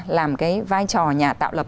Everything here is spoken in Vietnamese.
làm cái vai trò nhà tạo lập